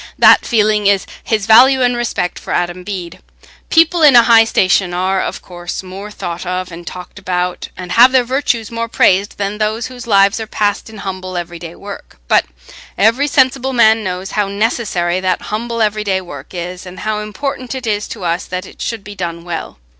That feeling is his value and respect for Adam Bede. People in a high station are of course more thought of and talked about and have their virtues more praised, than those whose lives are passed in humble everyday work; but every sensible man knows how necessary that humble everyday work is, and how important it is to us that it should be done well.